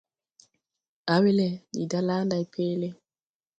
Awelɛ ndi da laa nday peele.